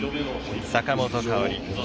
坂本花織。